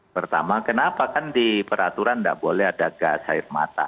pertama kenapa kan di peraturan tidak boleh ada gas air mata